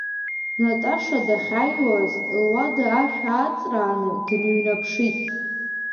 Наташа дахьиауаз луада ашә ааҵрааны дныҩнаԥшит.